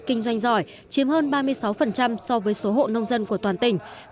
kinh doanh giỏi chiếm hơn ba mươi sáu so với số hộ nông dân của toàn tỉnh